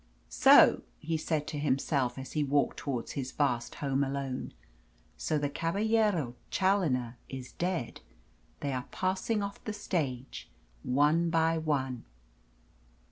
"So," he said to himself, as he walked towards his vast home alone, "so the Caballero Challoner is dead. They are passing off the stage one by one."